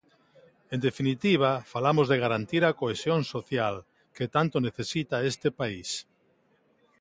En definitiva, falamos de garantir a cohesión social, que tanto necesita este país.